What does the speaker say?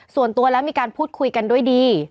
ส่วนตัวแล้วมีการพูดคุยกันด้วยดี